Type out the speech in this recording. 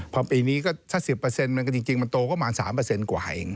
พอปีนี้ก็ถ้า๑๐จริงมันโตก็มา๓กว่าเอง